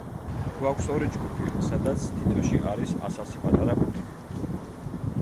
გვაქვს ორი ჯგუფი, სადაც თითოში არის ას-ასი პატარა ყუთი.